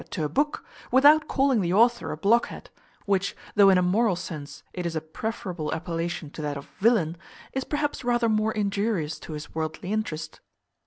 to a book, without calling the author a blockhead; which, though in a moral sense it is a preferable appellation to that of villain, is perhaps rather more injurious to his worldly interest.